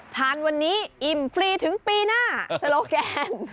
ทานวันนี้อิ่มฟรีถึงปีหน้าโซโลแกน